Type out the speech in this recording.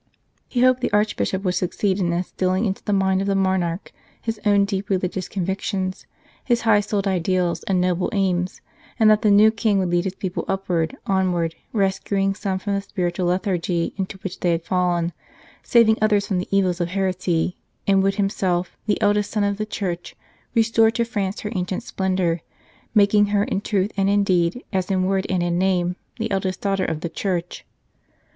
He hoped the Archbishop would succeed in instilling into the mind of the monarch his own deep religious convictions, his high souled ideals and noble aims, and that the new King would lead his people upward, onward, rescuing some from the spiritual lethargy into which they had fallen, saving others from the evils of heresy, and would himself, the eldest son of the Church, restore to France her ancient splendour, making her in truth and in deed, as in word and in name, the eldest daughter of the Church.